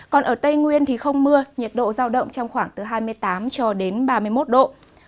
còn ở tây nguyên thì không mưa nhiệt độ giao động trong khoảng từ hai mươi tám cho đến ba mươi một độ